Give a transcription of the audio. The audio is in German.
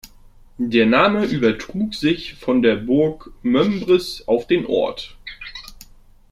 Der Name übertrug sich von der Burg Mömbris auf den Ort.